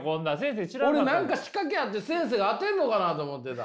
俺何か仕掛けあって先生が当てんのかなと思ってた。